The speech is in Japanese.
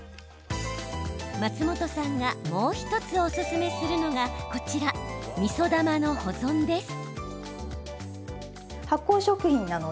松本さんがもう１つ、おすすめするのがこちら、みそ玉の保存です。